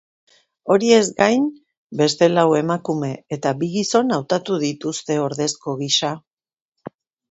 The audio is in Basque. Horiez gain, beste lau emakume eta bi gizon hautatu dituzte ordezko gisa.